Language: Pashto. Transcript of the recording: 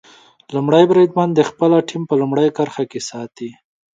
لومړی بریدمن د خپله ټیم په لومړۍ کرښه کې ساتي.